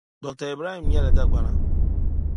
Dr. Ibrahim nyɛla Dagbana